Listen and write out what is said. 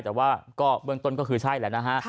แต่ว่าก็เบื้องต้นก็คือใช่แหละนะฮะ